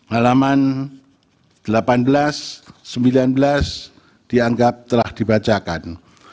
halaman delapan belas sembilan belas dianggap telah dibacakan